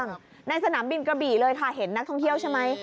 ในสนามบินกระบี่เลยค่ะเห็นนักท่องเที่ยวใช่ไหม